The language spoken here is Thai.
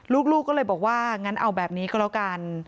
ลูกก็เลยบอกว่างั้นเอาแบบนี้ก็แล้วกัน